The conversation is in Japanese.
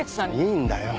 いいんだよ